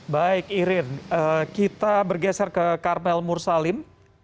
baik irin kita bergeser ke karmel mursalim